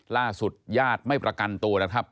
ล่าสุดญาติไม่ประกันตัวแล้วครับ